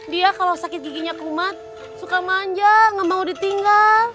dia kalau sakit giginya kumat suka manja gak mau ditinggal